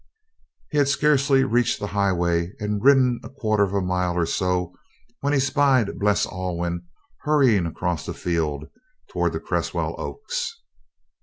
He had scarcely reached the highway and ridden a quarter of a mile or so when he spied Bles Alwyn hurrying across the field toward the Cresswell Oaks.